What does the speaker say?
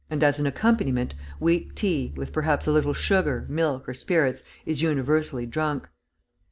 As an accompaniment, weak tea, with perhaps a little sugar, milk, or spirits, is universally drunk.